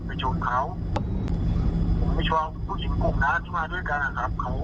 พอหลังจากนั้นชัดไปหนึ่งอาจจะไม่คือ๕นาทีครับ